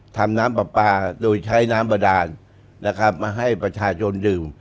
ทำน้ำปลาโดยใช้น้ำประดานมาให้ประชาชนดื่ม